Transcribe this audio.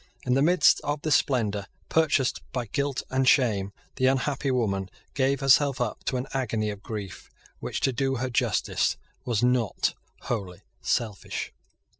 In the midst of this splendour, purchased by guilt and shame, the unhappy woman gave herself up to an agony of grief, which, to do her justice, was not wholly selfish.